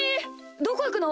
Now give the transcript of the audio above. どこいくの？